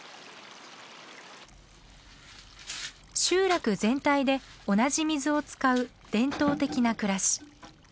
集落全体で同じ水を使う伝統的な暮らし。